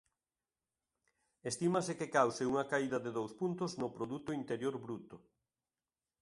Estímase que cause unha caída de dous puntos no Produto Interior Bruto.